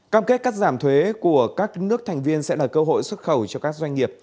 cam kết cắt giảm thuế của các nước thành viên sẽ là cơ hội xuất khẩu cho các doanh nghiệp